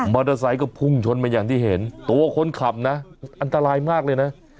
เตอร์ไซค์ก็พุ่งชนมาอย่างที่เห็นตัวคนขับนะอันตรายมากเลยนะ